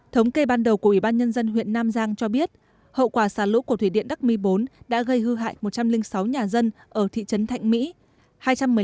thống kê ban đầu của ubnd huyện nam giang cho biết hậu quả xả lũ của thủy điện đắc mi bốn đã gây hư hại một trăm linh sáu nhà dân ở thị trấn thạnh mỹ